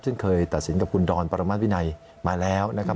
ซึ่งเคยตัดสินกับคุณดอนปรมัติวินัยมาแล้วนะครับ